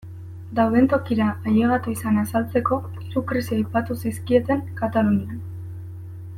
Dauden tokira ailegatu izana azaltzeko, hiru krisi aipatu zizkieten Katalunian.